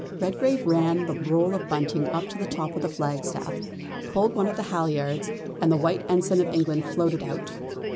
Redgrave ran the roll of bunting up to the top of the flagstaff, pulled one of the halliards, and the White Ensign of England floated out.